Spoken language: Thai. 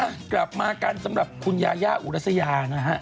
กลับมากันสำหรับคุณยายาอุรัสยานะฮะ